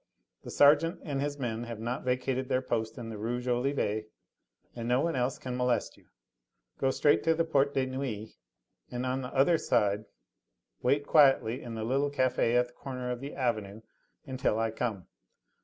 The sergeant and his men have not vacated their post in the Rue Jolivet, and no one else can molest you. Go straight to the Porte de Neuilly, and on the other side wait quietly in the little cafe at the corner of the Avenue until I come.